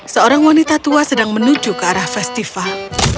seorang wanita tua sedang menuju ke arah festival